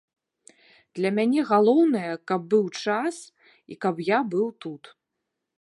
Для мяне галоўнае, каб быў час і каб я быў тут.